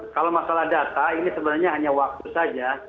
kalau masalah data ini sebenarnya hanya waktu saja